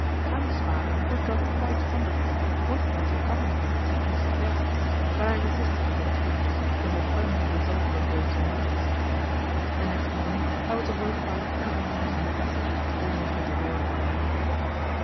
Count Spada, who had got quite fond of me, wanted me to accompany him to Brisighetta, but I resisted his entreaties because I had firmly resolved on going to Naples. The next morning I was awoke by a terrible noise in the passage, almost at the door of my room.